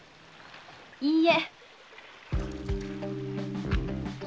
いいえ。